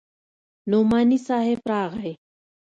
نعماني صاحب راغى.